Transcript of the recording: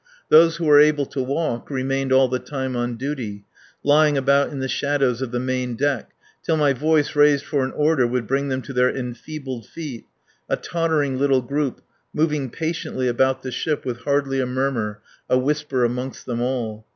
Those who were able to walk remained all the time on duty, lying about in the shadows of the main deck, till my voice raised for an order would bring them to their enfeebled feet, a tottering little group, moving patiently about the ship, with hardly a murmur, a whisper amongst them all.